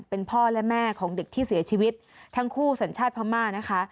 เป็นพ่อและแม่ของเด็กที่เสียชีวิตทั้งคู่สัญชาติพม่านะคะ